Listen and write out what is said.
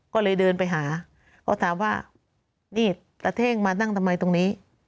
ก็เลยเดินไปหาเขาถามว่านี่ตะเท่งมานั่งทำไมตรงนี้